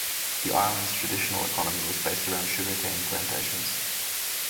The island's traditional economy was based around sugarcane plantations.